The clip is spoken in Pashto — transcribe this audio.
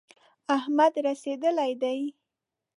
احمد رسېدلی دی.